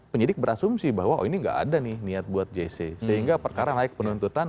penyidik berasumsi bahwa oh ini nggak ada nih niat buat jc sehingga perkara naik penuntutan